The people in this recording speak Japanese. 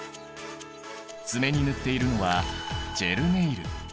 爪に塗っているのはジェルネイル。